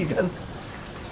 ganjar lebih teruji